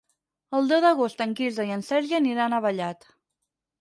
El deu d'agost en Quirze i en Sergi aniran a Vallat.